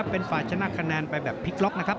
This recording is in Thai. เป็นฝ่ายชนะคะแนนไปแบบพลิกล็อกนะครับ